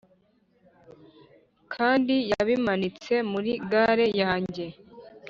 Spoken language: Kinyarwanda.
kandi yabimanitse muri galle yanjye